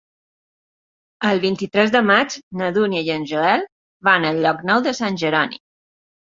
El vint-i-tres de maig na Dúnia i en Joel van a Llocnou de Sant Jeroni.